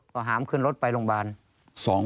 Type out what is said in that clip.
ก็หามขึ้นรถไปโรงพยาบาล